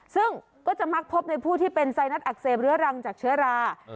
ซึ่งก็จะมักพบในผู้ที่เป็นไซนัสอักเสบเรื้อรังจากเชื้อรา